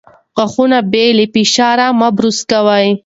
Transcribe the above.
غاښونه بې له فشار مه برس کوئ.